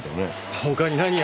他に何が？